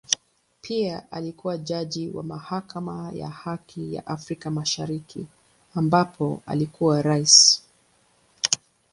Pia alikua jaji wa Mahakama ya Haki ya Afrika Mashariki ambapo alikuwa Rais.